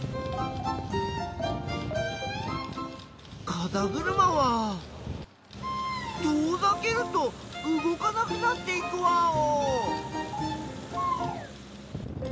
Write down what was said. かざぐるまは遠ざけると動かなくなっていくワオ！